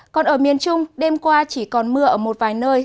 còn ở miền trung đêm qua chỉ còn mưa ở một vài nơi